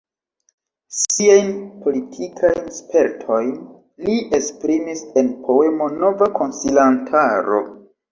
Siajn politikajn spertojn li esprimis en poemo Nova konsilantaro.